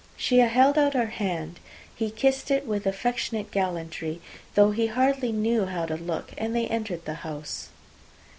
She held out her hand: he kissed it with affectionate gallantry, though he hardly knew how to look, and they entered the house.